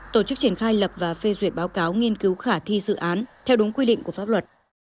tổ chức triển khai lập và phê duyệt báo cáo nghiên cứu khả thi dự án theo đúng quy định của pháp luật